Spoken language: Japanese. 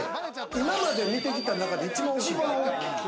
今まで見てきた中で、一番大きい。